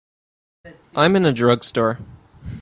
I'm in a drugstore.